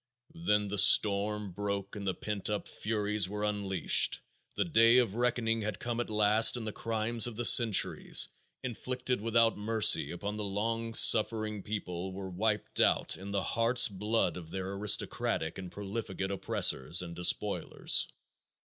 Then the storm broke and the pent up furies were unleashed; the day of reckoning had come at last and the crimes of the centuries, inflicted without mercy upon the long suffering people, were wiped out in the hearts' blood of their aristocratic and profligate oppressors and despoilers.